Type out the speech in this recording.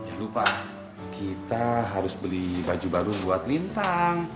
jangan lupa kita harus beli baju baru buat lintang